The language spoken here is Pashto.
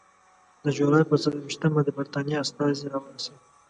د جولای پر څلېرویشتمه د برټانیې استازی راورسېد.